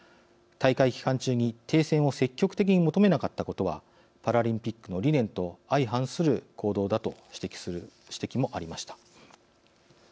大会期間中に停戦を積極的に求めなかったことはパラリンピックの理念と相反する行動だったという指摘する声もありました。